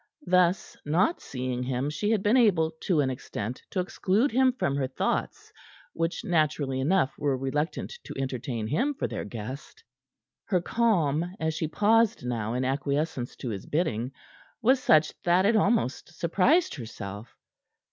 Thus, not seeing him, she had been able, to an extent, to exclude him from her thoughts, which, naturally enough, were reluctant to entertain him for their guest. Her calm, as she paused now in acquiescence to his bidding, was such that it almost surprised herself.